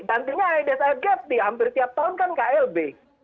artinya aids argap di hampir tiap tahun kan klb